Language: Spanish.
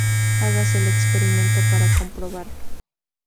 Hágase el experimento para comprobarlo.